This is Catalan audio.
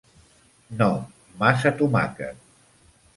No! Massa tomàquet.